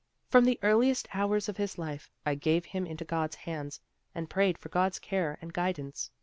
From the earliest hours of his life, I gave him into God's hands, and prayed for God's care and guidance.